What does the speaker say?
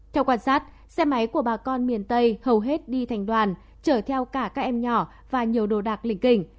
theo quan sát xe máy của bà con miền tây hầu hết đi thành đoàn chở theo cả các em nhỏ và nhiều đồ đạc linh kình